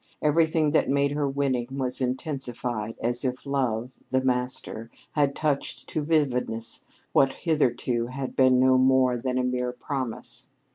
Everything that made her winning was intensified, as if Love, the Master, had touched to vividness what hitherto had been no more than a mere promise.